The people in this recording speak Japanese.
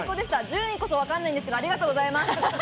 順位こそわかんないんですけど、ありがとうございます。